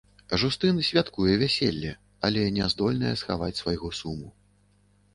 Жустын святкуе вяселле, але не здольная схаваць свайго суму.